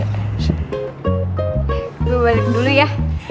gue balik dulu ya